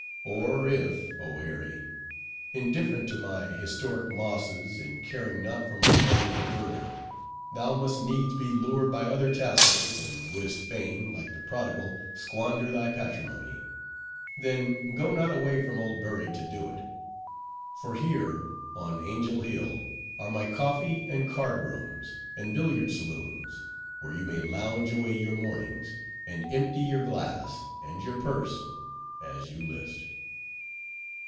Or if, oh Harry! indifferent to my historic mosses, and caring not for my annual verdure, thou must needs be lured by other tassels, and wouldst fain, like the Prodigal, squander thy patrimony, then, go not away from old Bury to do it. For here, on Angel Hill, are my coffee and card rooms, and billiard saloons, where you may lounge away your mornings, and empty your glass and your purse as you list.